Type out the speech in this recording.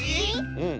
うん。